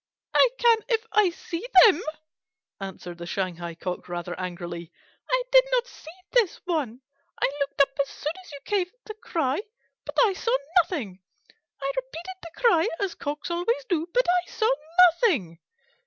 "I can if I see them," answered the Shanghai Cock, rather angrily. "I did not see this one. I looked up as soon as you gave the cry, but I saw nothing. I repeated the cry, as Cocks always do, but I saw nothing."